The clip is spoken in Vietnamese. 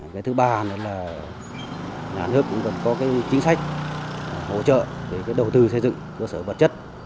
cái thứ ba nữa là nhà nước cũng cần có cái chính sách hỗ trợ về đầu tư xây dựng cơ sở vật chất